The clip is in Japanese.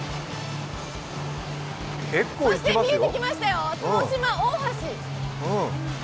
そして見えてきましたよ、角島大橋。